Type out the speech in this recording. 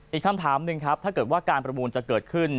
อีกคำถามหนึ่งครับถ้าเกิดว่าการประมูลจะเกิดขึ้น